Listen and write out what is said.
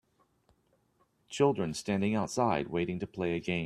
Children standing outside, waiting to play a game.